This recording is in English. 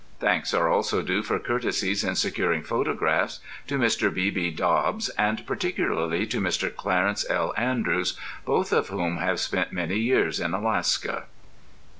Thanks are also due for courtesies in securing photographs to Mr. B. B. Dobbs and particularly to Mr. Clarence L. Andrews, both of whom have spent many years in Alaska.